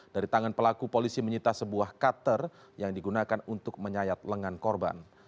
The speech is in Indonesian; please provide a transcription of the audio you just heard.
dari tangan pelaku polisi menyita sebuah kater yang digunakan untuk menyayat lengan korban